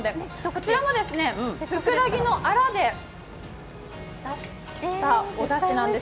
こちらもフクラギのアラで出したおだしなんです。